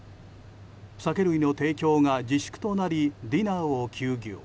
酒類の提供が自粛となりディナーを休業。